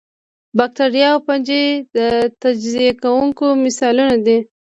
باکتریا او فنجي د تجزیه کوونکو مثالونه دي